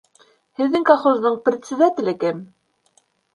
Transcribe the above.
Һеҙҙең колхоздың председателе кем?